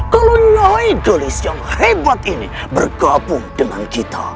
kalau nyai kelis yang hebat ini bergabung dengan kita